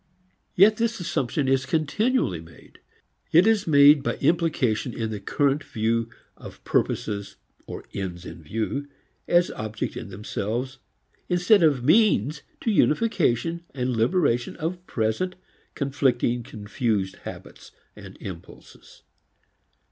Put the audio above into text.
Yet this assumption is continually made. It is made by implication in the current view of purposes or ends in view as objects in themselves, instead of means to unification and liberation of present conflicting, confused habits and impulses.